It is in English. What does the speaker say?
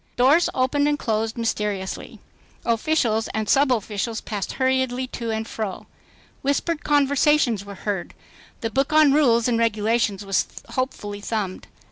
Doors opened and closed mysteriously. Officials and subofficials passed hurriedly to and fro. Whispered conversations were heard. The book on rules and regulations was hopefully thumbed.